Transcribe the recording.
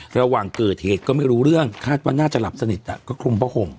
ระหว่างเกิดเหตุก็ไม่รู้เรื่องคาดว่าน่าจะหลับสนิทก็คลุมผ้าห่ม